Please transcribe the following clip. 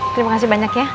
terima kasih banyak ya